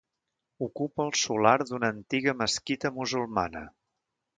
Ocupa el solar d'una antiga mesquita musulmana.